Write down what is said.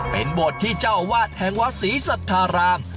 เป็นบทที่เจ้าอาวาสแห่งวัดศรีสัตรารามค์